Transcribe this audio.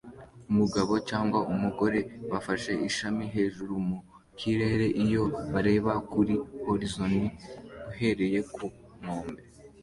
Umugabo cyangwa umugore bafashe ishami hejuru mu kirere iyo bareba kuri horizon uhereye ku nkombe